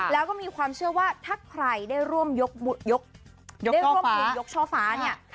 แล้วก็มีความเชื่อว่าถ้าใครได้ร่วมเพลงยกช่อฟ้าเนี่ย